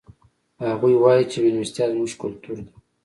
هغوی وایي چې مېلمستیا زموږ کلتور ده